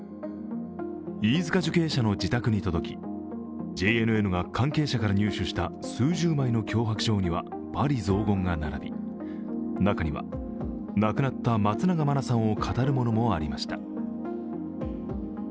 飯塚受刑者の自宅に届き、ＪＮＮが関係者から入手した数十枚の脅迫状には罵詈雑言が並び中には、亡くなった松永真菜さんをかたるものもありました。